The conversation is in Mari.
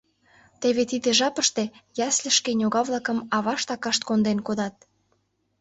Теве тиде жапыште ясльышке ньога-влакым авашт-акашт конден кодат.